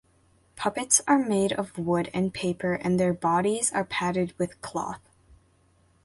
Puppets are made of wood and paper and their bodies are padded with cloth.